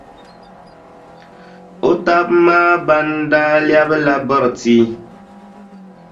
O taba maa ban daa lɛbila biriti.